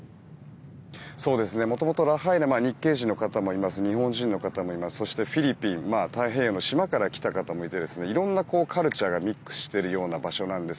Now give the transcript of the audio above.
もともとラハイナ日系人の方もいます日本人もいますフィリピン太平洋の島から来た方もいていろんなカルチャーがミックスしているような場所なんです。